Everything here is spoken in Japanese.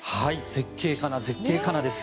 絶景かな、絶景かなです。